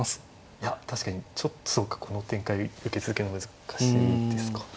いや確かにちょっとそうかこの展開受け続けるの難しいですか。